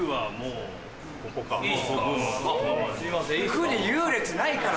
区に優劣ないから。